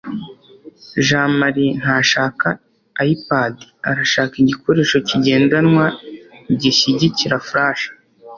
jamali ntashaka ipad. arashaka igikoresho kigendanwa gishyigikira flash